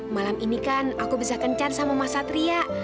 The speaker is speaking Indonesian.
malam ini kan aku bisa kencan sama mas satria